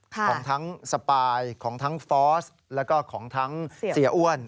ของทั้งสปายของทั้งฟอสแล้วก็ของทั้งเสียอ้วน